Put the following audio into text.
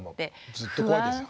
ずっと怖いですよ。